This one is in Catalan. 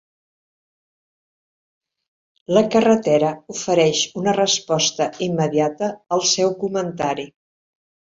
La carretera ofereix una resposta immediata al seu comentari.